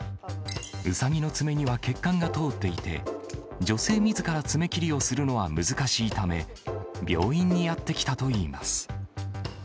ウサギの爪には血管が通っていて、女性みずから爪切りをするのは難しいため、病院にやって来たといいます。